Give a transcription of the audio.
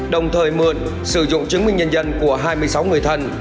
đồng thời mượn sử dụng chứng minh nhân dân của hai mươi sáu người thân